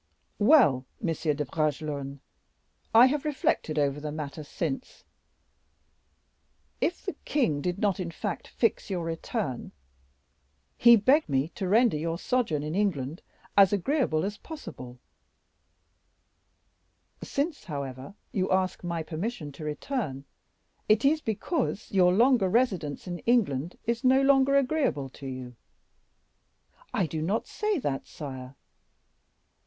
"Well, M. de Bragelonne, I have reflected over the matter since; if the king did not, in fact, fix your return, he begged me to render your sojourn in England as agreeable as possible; since, however, you ask my permission to return, it is because your longer residence in England is no longer agreeable to you." "I do not say that, sire."